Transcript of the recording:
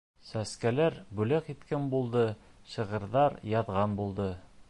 Сәскәләр бүләк иткән булды, шиғырҙар яҙған булды.